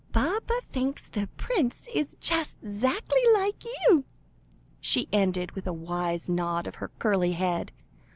Baba thinks the prince is just 'zackly like you," she ended, with a wise nod of her curly head.